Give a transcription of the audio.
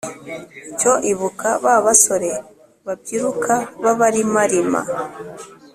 cyo ibuka ba basore babyiruka babarimarima